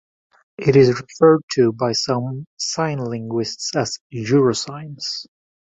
It is referred to by some sign linguists as "Eurosigns".